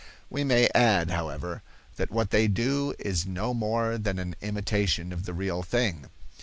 We may add, however, that what they do is no more than an imitation of the real thing.